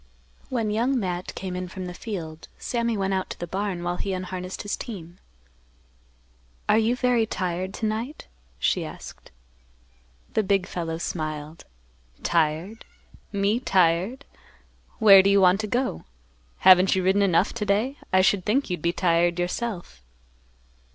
When Young Matt came in from the field, Sammy went out to the barn, while he unharnessed his team. "Are you very tired to night?" she asked. The big fellow smiled, "Tired? Me tired? Where do you want to go? Haven't you ridden enough to day? I should think you'd be tired yourself."